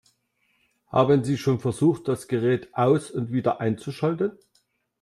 Haben Sie schon versucht, das Gerät aus- und wieder einzuschalten?